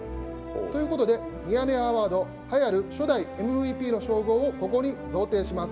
ということで、ミヤネ屋アワード栄えある初代ＭＶＰの称号をここに贈呈します。